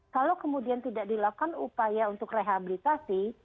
kalau kemudian tidak dilakukan upaya untuk rehabilitasi